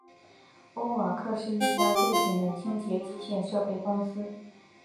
欧瓦克是一家瑞典的清洁机械设备公司。